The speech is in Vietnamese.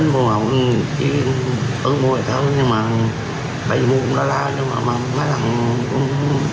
bày vụ cũng ra lai nhưng mà nói rằng cũng